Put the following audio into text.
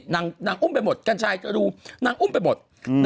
นางอุ้มไปหมดกัญชัยเธอดูนางอุ้มไปหมด